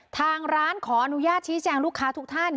ทางร้านขออนุญาตชี้แจงลูกค้าทุกท่าน